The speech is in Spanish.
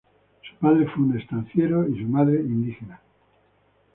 Su padre fue un estanciero y su madre indígena.